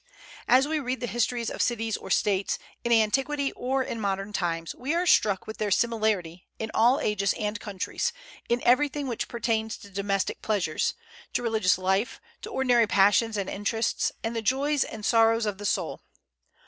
As we read the histories of cities or states, in antiquity or in modern times, we are struck with their similarity, in all ages and countries, in everything which pertains to domestic pleasures, to religious life, to ordinary passions and interests, and the joys and sorrows of the soul.